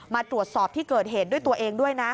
มาตรวจสอบที่เกิดเหตุด้วยตัวเองด้วยนะ